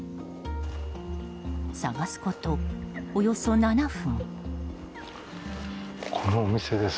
探すこと、およそ７分。